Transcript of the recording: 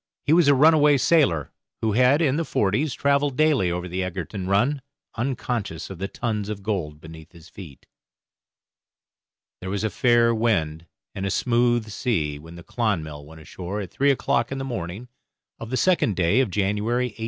He was a runaway sailor, who had, in the forties, travelled daily over the Egerton run, unconscious of the tons of gold beneath his feet. There was a fair wind and a smooth sea when the 'Clonmel' went ashore at three o'clock in the morning of the second day of January, 1841.